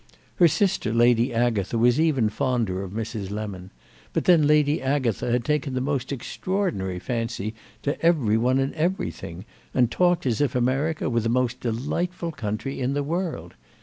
Her sister, Lady Agatha, was even fonder of Mrs. Lemon; but then Lady Agatha had taken the most extraordinary fancy to every one and everything, and talked as if America were the most delightful country in the world.